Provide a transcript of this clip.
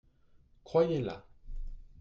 Croyez-la.